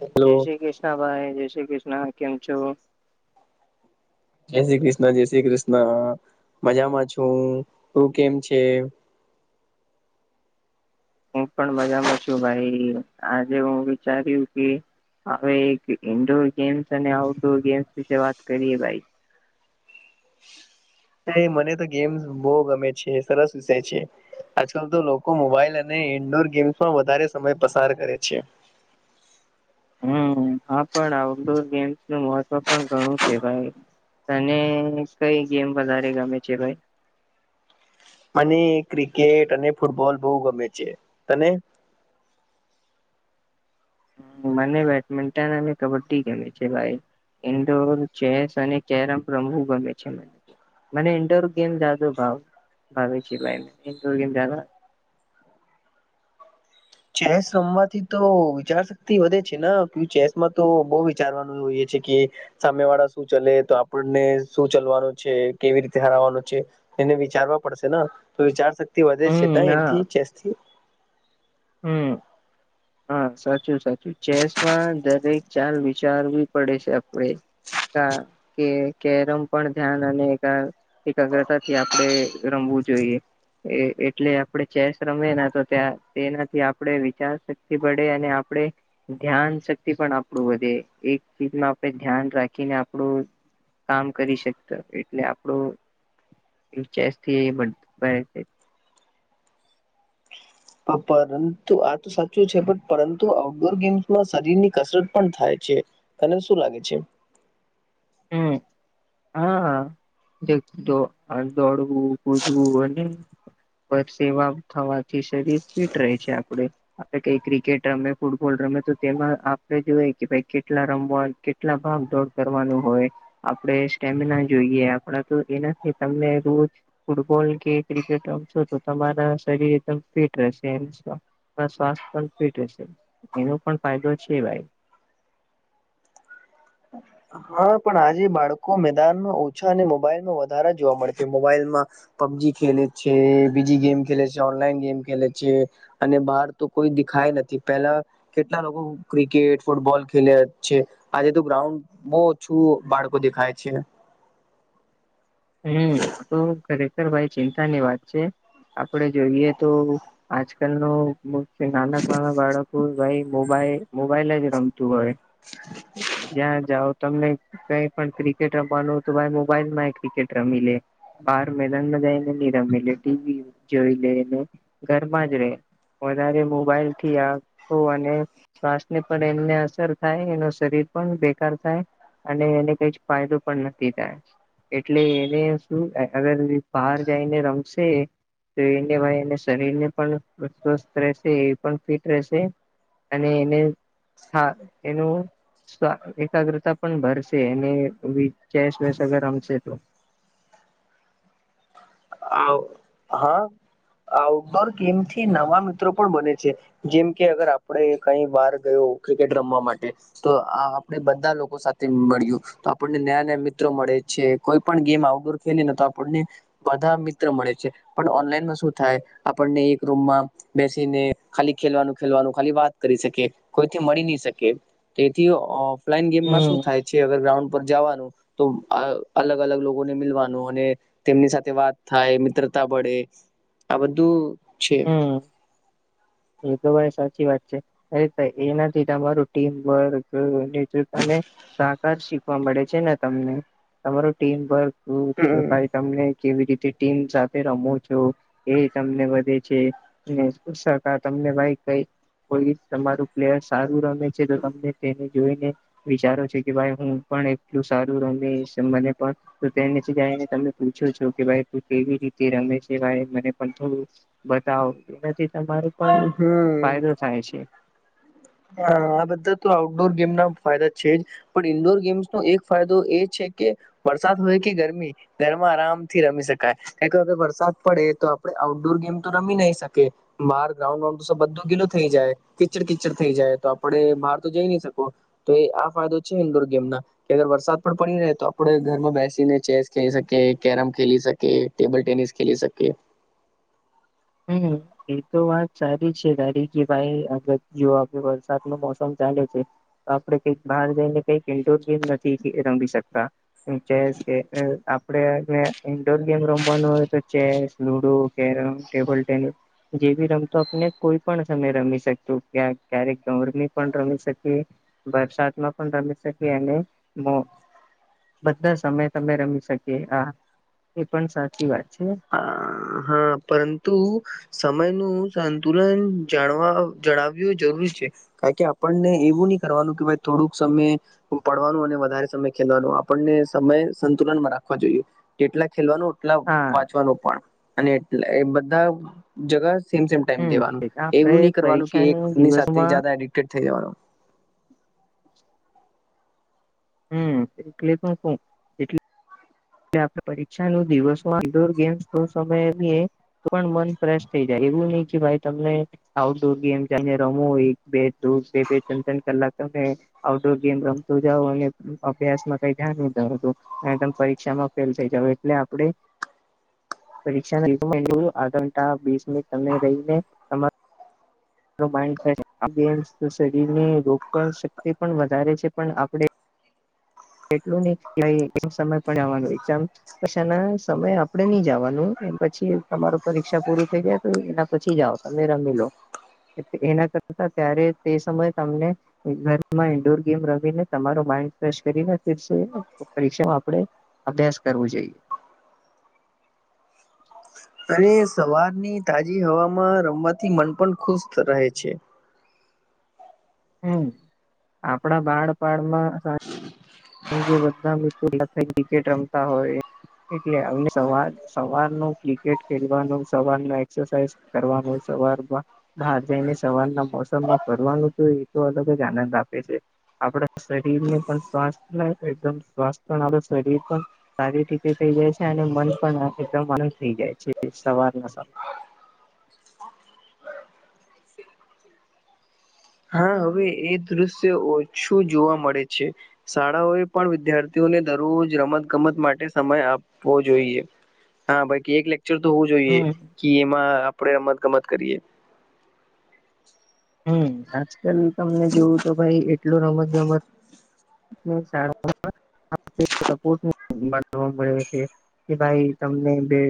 Hello જય શ્રી કૃષ્ણ ભાઈ જય શ્રી કૃષ્ણ કેમ છો જય શ્રી કૃષ્ણ જય શ્રી કૃષ્ણ મજામાં છું તું કેમ છે હું પણ મજામાં છું ભાઈ આજે હું વિચાર્યું કે હવે એક ઇન્ડોર ગેમ્સ અને આઉટડોર ગેમ્સ વિશે વાત કરીએ ભાઈ એ મને તો ગેમ્સ બહુ ગમે છે. સરસ વિષય છે. આજકાલ તો લોકો મોબાઈલ અને ઇન્ડોર ગેમ્સમાં વધારે સમય પસાર કરે છે હમ હા પણ આઉટડોર ગેમ્સ નું મહત્વ પણ ઘણું છે ભાઈ તને કઈ ગેમ વધારે ગમે છે ભાઈ મને ક્રિકેટ અને ફૂટબોલ બહુ ગમે છે તને મને બેડમિન્ટન અને કબડ્ડી ગમે છે ભાઈ ઇન્ડોર ચેસ અને કેરમ રમુ ગમે છે મને મને ઇન્ડોર ગેમ જાદો ભાવ ભાવ છે ભાઈ ઇન્ડોર ગેમદ ચેસ રમવાથી તો વિચાર શક્તિ વધે છે ને ચેસમાં તો બહ વિચારવાનું એવ એ છે કે સામે વાળા શું ચલે તો આપણને શું ચાલવાનું છે કેવી રીતે હરાવવાનું છે એને વિચારવા પડશે ને તો વિચાર શક્તિ વધે જ છે હમ હા એથી ચેસથી હમ હા સાચું સાચું ચેસમાં દરેક ચાલ વિચારવી પડે છે આપડે કે કેરમ પણ ધ્યાન અને એકાગ્રતા થી આપડે રમવું જોઈએ એ એટલે આપડે ચેસ રમેને તો ત્યાં તેનાથી આપણે વિચાર શકીએ થી પડે અને આપણે ધ્યાન શક્તિ પણ આપણું વધે એક ચીજમાં આપડણે ધ્યાન રાખીને આપણું કામ કરી શકતા એટલે આપણું ચેસ્થી, પરંતુ આ તો સાચું છે, પણ પરંતુ આઉટડોર ગેમ્સમાં શરીર ની કસરત પણ થાય છે. તને શું લાગે છે, હું, હા, હા દોડવું કૂદવું અને સેવા થવાથી શરીર ફિટ રહે છે, આપણે આપડે કઈ ક્રિકેટ રમે, ફૂટબોલ રમે, તો તેમાં આપણે જોય કે ભાઈ કેટલા રમવા કે કેટલા ભાગ દોડ કરવાનું. હોય, આપણે સ્ટેમિના જોઈએ. આપણા તો એનાથી તમને રોજ ફૂટબોલ કે ક્રિકેટ રમશો તો તમારા શરીર એકદમ ફિટ રહેશે. સ્વાસ્થ પણ ફિટ રહેશે, એનો પણ ફાયદો છે ભાઈ. હા, પણ આજે બાળકો મેદાનમાં ઓછા અને મોબાઈલમાં વધારા જોવા મળશે, મોબાઈલમાં. પબજી ખેલે છે, બીજી ગેમ ખેલે છે, ઓનલાઈન ગેમ ખેલે છે. અને બહાર તો કોઈ દેખાય નથી, પેલા કેટલા લોકો ક્રિકેટ ફૂટબોલ ખેલ્યા છે, આજે તો ગ્રાઉન્ડ બહુ ઓછું બાળકો દેખાય છે. હું તો ખરેખર ભાઈ ચિંતા ની વાત છે. આપડે જોઈએ, તો આજકાલ નો નાન-નાના બાળકો ભાઈ મોબાઈલ મોબાઈલ જ રમતું હોય. [unintelligible] કયાં જાઓ, તમને કાંઈ પણ ક્રિકેટ રમવાનું હો, તો ભાઈ મોબાઈલ માં એક એક રમી લે. બહાર મેદાનમાં જાયને રમે લે, ટીવી જોઈ લે ને, ઘરમાં જ રહે. વધારે મોબાઈલ થી આતો અને શ્વાસને પણ એમને અસર થાય, એનું શરીર પણ બેકાર થાય. અને એને કઈ ફાયદો પણ નથી થાય. એટલે એને શું અલગ બહાર જઈને રમશે. તો એને એ શરીરને પણ સ્વસ્થ રહેશે, એ પણ ફિટ રહેશે. અને એને એનું. એકાગ્રતા પણ ભરશે ને, ચેસ વેસ અગર રમશે. હ [unintelligible] [inaudible] આવ. હા, આઉટડોર ગેમ થી નવા મિત્રો પણ બને છે. જેમ કે અગર આપડે કંઈ બાર ગયા, ક્રિકેટ રમવા માટે. તો આપણે બધા લોકો સાથે મળ્યું. તો આપણને નયા નયા મિત્રો મળે છે, કોઇપણ ગેમ આઉટડોર ખેલી ને તો આપણને બધા મિત્ર મળે છે, પણ ઓનલાઈનમાં શું થાય. આપણને એક રૂમમાં બેસીને ખાલી ખેલવાનું ખેલવાનું ખાલી વાત કરી શકે, કોઈથી મળી નહી શકે. તેથી ઓફલાઈન ગેમમાં હમ શું થાય છે, અગર ગ્રાઉન્ડ પર જવાનું. તો અલગ અલગ લોકોને મિલવાનું અને તેમની સાથે વાત થાય, મિત્ર પડે આ બધું, છે. હું. એ તો ભાઈ સાચી વાત છે, અરે એનાથી તમારું ટીમ વર્ક અને તરત જ શીખવા મળે છે, ને તમને તમારું ટીમ વર્ક હું તો હમ ભાઈ. તમને કેવી રીતે ટીમ સાથે રમો છો, એ તમને વધે છે. વસાતા તમને ભાઈ. કંઈ કોઈ તમારું પ્લેયર સારું રમે છે, તો તમને તેને જોઈને. વિચારો છે, કે ભાઈ હું પણ એટલું સારું રમી મને પણ તો તેનેથી જને તમે પૂછો છો, કે ભાઈ તું કેવી રીતે રમે છે, ભાઈ મને પણ થોડું બતાવો, એનાથી તમારો પણ હમ ફાયદો થાય છે. હા, આ બધા તો આઉટડોર ગેમ ના ફાયદા છે જ. પણ ઈન્ડોર ગેમ્સનો એક ફાયદો એ છે કે, વરસાદ હોય કે ગરમી. ઘરમાં આરામથી રમી શકાય. કેક વરસાદ પડે તો આપડે આઉટડોર ગેમ તો રમી નઈ શકીએ. માર ગ્રાઉન્ડઉ તો બધું ગીલો થઈ જાય કીચડ કીચડ થઈ જાય તો આપડે બહાર તો જઈ નહી શકો તો એ આ ફાયદો છે ઇન્ડોર ગેમ ના કે અગર વરસાદ પણ પડી રહે તો આપડે ઘરમાં બેસીને ચેસ ખેલી શકીએ કેરમ ખેલી શકીએ ટેબલ ટેનિસ ખેલી શકીકે હમ એ તો વાત સારી છે દાારી કે ભાઈ અગ જો આપ વરસાદ ન મોસમ ચાલે છે આપડે કઈક બહાર જઈને કઈક ઇન્ડોર ગેમ નથી રમી શકતા ચેસ કે આપડેને ઈન્ડોર ગેમ રમવાનું હોય તો chess ludo carrom table tennis જેવી રમતો આપને કોઈ પણ સમય રમી શકત ક્યાં ક્યારેક ગરમી પણ રમી શકીએ વરસાતમાં પણ રમી શ અને બધા સમય તમે રમી શકીએ હા એ પણ સાચી વાત છે હા હા પરંતુ સમય નું સંતુલન જાણવા જણાવું જરૂરી છે ક કે આપણને એવું નહી કરવાનું કે ભાઈ થોડુંક સમય પડવાનું અને વધારે સમય ખેલવાનું આપણને સમય સંતુલનમાં રાખવા જોઈએ એટલા ખેલવાનું એટલા હા વાંચવાનું પણ અને એટ એ બધા જગા સે સેમ ટાઈમ હમ દેવાનું આપડે એવું નહી કરવાનું કે પરીક્ષાની એકની સાથે દિવસમાં એડિક્ટેડ થઈ જવાનું હમ એ કલી તો એ આપે પરીક્ષા નું દિવસો આડોર ગેમ્સ તો સમય એમીએ પણ મન ફ્રેશ થઈ જાય એવું નહી કે ભાઈ તમને આઉટડોર ગેમ જને રમોય બેો બે બે ત્રણ ત્રણ કલાક તમે આઉટડોર ગેમ રમતો જાવ અને અભ્યાસમાં કઈ ધ્યાન નતુંરી શિક્ષામાં ફેલ થઈ જાવ એટલે આપડે પરીક્ષા આ ઘંથાસ મિનિટ તમને રહીને તમારું શરીરની રોગ પણ શક્તિ પણ વધારે છે પણ આપણે એટલું નહ એ સમય પણવાનો એામ પછાના સમય આપડે નહી જવાનું એ પછી તમાર પરીક્ષા પૂર થઈ જાય તો એના પછી જ આવ તમે રમી લો એના કરતા ત્યારે તે સમયે તમને ઘર ઇન્ડોર ગેમ રમને તમારો માઇન્ડ ફેશ કરીને ફર પરીક્ષામાં આપણેે અભ્યાસ કરવો જોઈએ અને સવારની તાજી હવામાં રમવાથી મન પણ ખુશ રહે છે હમ આપણા બાળપડમાં પણ જે બધા મિત્ર થઈ વ્રિકેટ રમતા હોય એટલે સવાર સવારનું ક્રિકેટ ખેલવાનું સવાર ન એક્સરસાઇઝ કરવાનું સવાર માં બહાર જઈને સવારના મોસમમાં ફરવાનું તો એ તો અલગ જ આનંદ આપે છે આપણા શરીરને પણ સ્વાસ્થ લ એકદમ સ્વાસ્થ પણ આપડ શરીર પણ સારી રીતે થઇ જાય છે અને મન પણ એકદમ આનંદ થઈ જાય છે સવારના સમય હા હવે એ દ્રશ્ય ઓછું જોવા મળે છે શાળાઓએ પણ વિદ્યાર્થીઓને દરરોજ રમત ગમત માટે સમય આપવો જોઈએ હા બાકી એક લેક્ચર તો હોવું જોઈએ હમ કે એમાં આપણે રમત ગમત કરીએ હમ આજકાલ તમને જોવું તો ભાઈ એટલો રમત ગમત [unintelligible] કે ભાઈ તમને બે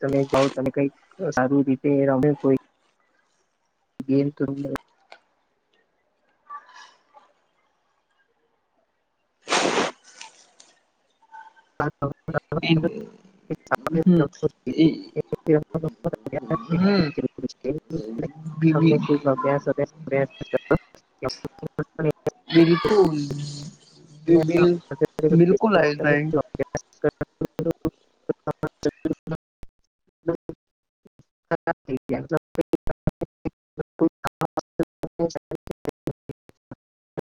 તમે જાઓ તમે કઈક સારું રીતે ર કો ન ત એ- હમ એ- [unintelligible] હમ તમને [unintelligible] [unintelligible] બિલકુલ બિલ બિલકુલ આય સે [unintelligible] [unintelligible]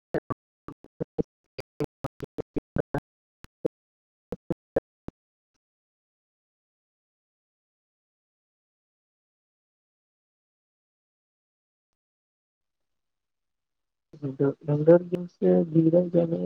[unintelligible] [unintelligible] પંદર દિવસે [inaudible] જવાનું